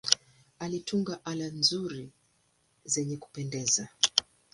Alitunga ala nzuri zenye kupendeza.